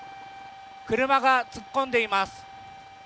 車が突っ込んでいます。